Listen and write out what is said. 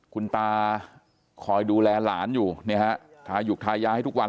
คุณตาคอยดูแลหลานอยู่เนี่ยฮะทาหยุกทายาให้ทุกวัน